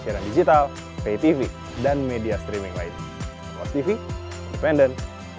r akan terbagi dua puluh tujuh kabupaten